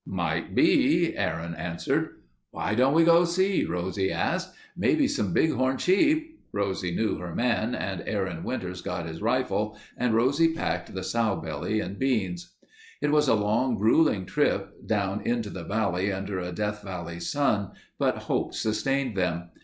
"Might be," Aaron answered. "Why don't we go see?" Rosie asked. "Maybe some Big Horn sheep—" Rosie knew her man and Aaron Winters got his rifle and Rosie packed the sow belly and beans. It was a long, gruelling trip down into the valley under a Death Valley sun but hope sustained them.